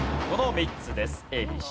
この３つです。